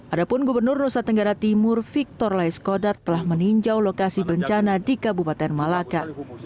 adapun gubernur nusa tenggara timur victor laiskodat telah meninjau lokasi bencana di kabupaten malaka